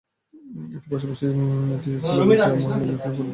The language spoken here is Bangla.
এটির পাশাপাশি এটি স্লোভাকিয়া মহিলা জাতীয় ফুটবল দলও সংগঠিত করে।